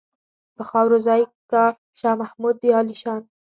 په خاورو ځای کا شاه محمود د عالیشان.